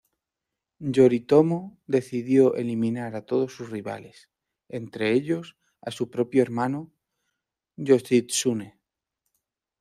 Yoritomo decidió eliminar a todos sus rivales, entre ellos a su propio hermano, Yoshitsune.